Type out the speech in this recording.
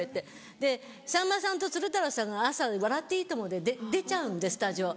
でさんまさんと鶴太郎さんが朝『笑っていいとも！』で出ちゃうんでスタジオ。